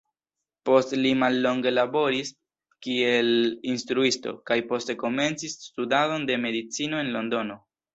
Post li mallonge laboris kiel instruisto, kaj poste komencis studadon de medicino en Londono.